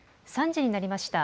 ３時になりました。